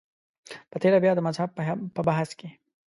په تېره بیا د مذهب په بحث کې.